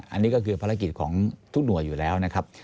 อันนี้ก็คือภารกิจของทุกหน่วยอยู่แล้วนะครับ